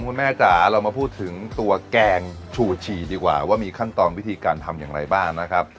คุณแม่จ๋าเรามาพูดถึงตัวแกงชูชีดีกว่าว่ามีขั้นตอนวิธีการทำอย่างไรบ้างนะครับ